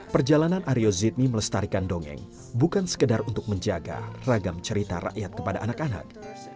perjalanan aryo zidni melestarikan dongeng bukan sekedar untuk menjaga ragam cerita rakyat kepada anak anak